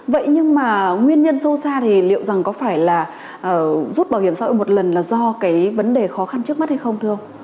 vậy nhưng mà nguyên nhân sâu xa thì liệu rằng có phải là rút bảo hiểm xã hội một lần là do cái vấn đề khó khăn trước mắt hay không thưa ông